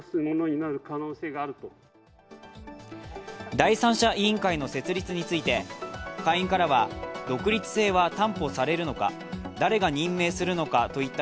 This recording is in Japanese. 第三者委員会の設立について会員からは独立性は担保されるのか、誰が任命するのかといった